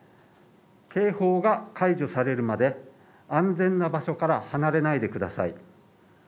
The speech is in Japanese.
警報が解除されるまで、安全な場所から離れないでください。